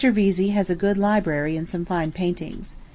Vesey has a good library and some fine paintings.